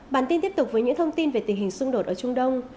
bản tin tiếp tục với những thông tin về tình hình xung đột ở trung đông